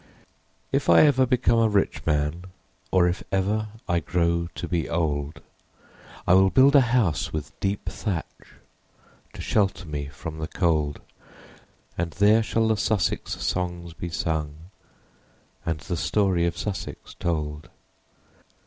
If I ever become a rich man, Of if ever I grow to be old, I will build a house with deep thatch To shelter me from the cold, And there shall the Sussex songs be sung And the story of Sussex told.